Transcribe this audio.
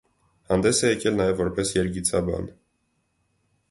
Հանդես է եկել նաև որպես երգիծաբան։